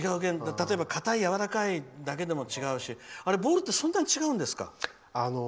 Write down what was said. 例えば、かたいやわらかいだけでも違うしボールってそんなに違うんです？